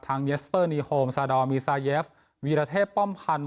เยสเปอร์นีโฮมซาดอร์มีซาเยฟวีรเทพป้อมพันธ์